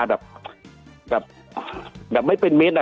คุณติเล่าเรื่องนี้ให้ฮะ